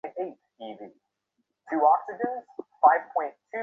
শুধু টি-টোয়েন্টিতেই নয়, তিন ধরনের ক্রিকেট মিলিয়েই দ্রুততম ফিফটির রেকর্ড সেটি।